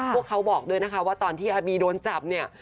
พวกเขาบอกด้วยนะคะว่าตอนที่อาบีโดนจับเนี่ย